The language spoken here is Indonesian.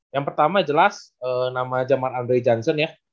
yang pertama jelas nama jaman andre jansen ya